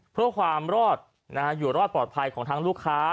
เพื่อความรอดอยู่รอดปลอดภัยของทั้งลูกค้า